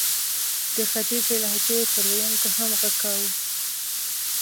د ختیځې لهجې پر ویونکو هم ږغ کاوه.